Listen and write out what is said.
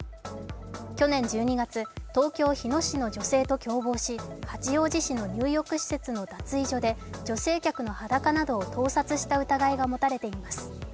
去年１２月、東京・日野市の女性と共謀し八王子市の入浴施設の脱衣所で女性客の裸などを盗撮した疑いが持たれています。